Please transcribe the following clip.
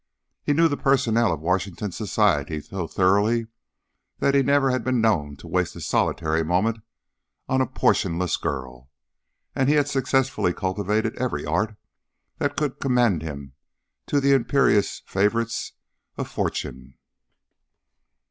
He knew the personnel of Washington Society so thoroughly that he never had been known to waste a solitary moment on a portion less girl, and he had successfully cultivated every art that could commend him to the imperious favourites of fortune.